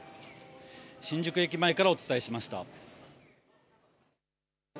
新宿駅前からお伝えしました。